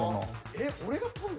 ええっ俺が取るん？